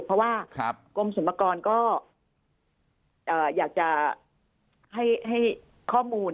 เพราะว่าโรงทรัพย์สมัครกองก็อยากจะให้ข้อมูล